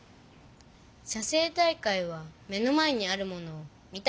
写生大会は目の前にあるものを見た